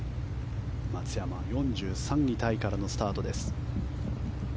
松山、４３位タイからのスタートです。